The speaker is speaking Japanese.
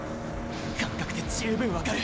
感覚で十分分かる。